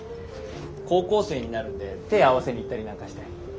高校生になるんで手合わせに行ったりなんかして。